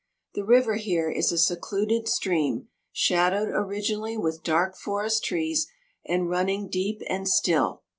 The river here is a secluded stream, shadowed originally with dark forest trees, and running deep and still.